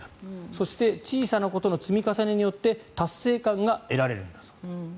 そして、小さなことの積み重ねによって達成感が得られるんだそうです。